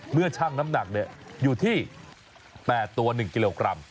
ชั่งน้ำหนักอยู่ที่๘ตัว๑กิโลกรัม